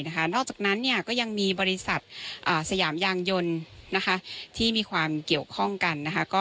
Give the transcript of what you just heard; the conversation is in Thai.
นอกจากนั้นก็ยังมีบริษัทสยามยางยนต์ที่มีความเกี่ยวข้องกัน